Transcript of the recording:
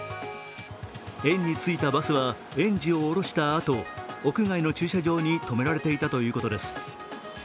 園に着いたバスは園児を降ろしたあと、屋外の駐車場に止められていたということです。